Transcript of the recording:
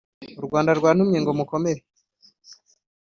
U Rwanda rwantumye ngo mukomere.